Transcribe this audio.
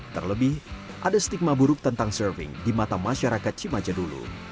terlebih ada stigma buruk tentang surfing di mata masyarakat cimaja dulu